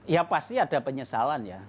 ya pasti ada penyesalan ya